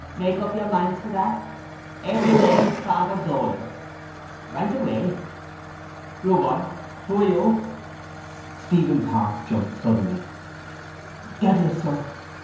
Make up your minds for that. Every day Father Dolan. Write away. You, boy, who are you? Stephen's heart jumped suddenly. —Dedalus, sir.